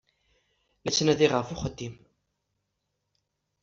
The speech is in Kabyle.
La ttnadiɣ ɣef uxeddim.